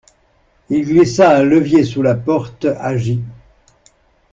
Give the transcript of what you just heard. Il glissa un levier sous la porte, agit.